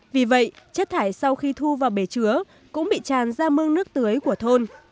vì vậy chất thải sau khi thu vào bể chứa cũng bị tràn ra mương nước tưới của thôn